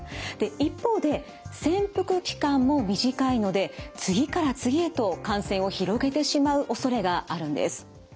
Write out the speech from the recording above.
一方で潜伏期間も短いので次から次へと感染を広げてしまうおそれがあるんです。